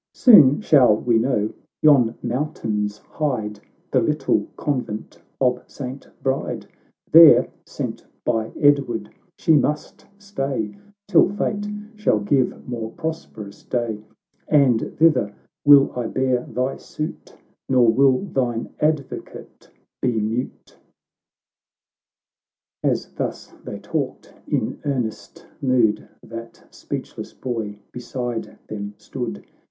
Soon shall we know — yon mountains hide The little convent of Saint Bride ; There, sent by Edward, she must stay, Till fate shall give more prosperous day ; And thither will I bear thy suit, Nor will thine advocate be mute." — As thus they talked in earnest mood, That speechless boy beside them stood.